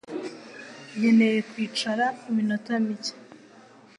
Nkeneye kwicara iminota mike.